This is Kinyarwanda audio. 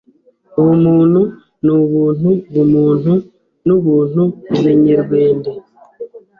Ubumuntu n’ubuntu bumuntu n’ubuntu Ebenyerwende